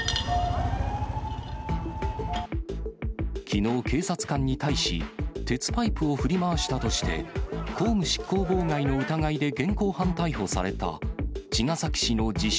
きのう警察官に対し、鉄パイプを振り回したとして、公務執行妨害の疑いで現行犯逮捕された、茅ヶ崎市の自称